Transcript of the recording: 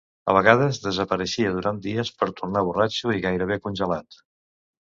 A vegades desapareixia durant dies, per tornar borratxo i gairebé congelat.